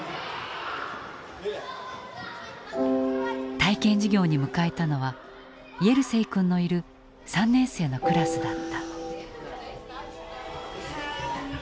体験授業に迎えたのはイェルセイ君のいる３年生のクラスだった。